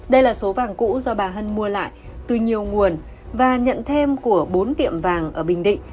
đây là số vàng cũ do bà hân mua lại từ nhiều nguồn và nhận thêm của bốn tiệm vàng ở bình định